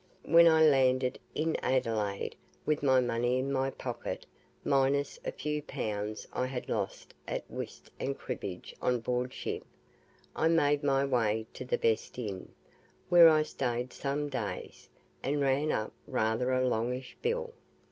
When I landed in Adelaide with my money in my pocket minus a few pounds I had lost at whist and cribbage on board ship I made my way to the best inn, where I stayed some days, and ran up rather a longish bill.